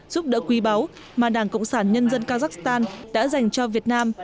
giúp đỡ quý báu mà đảng cộng sản nhân dân kazakhstan đã dành cho việt nam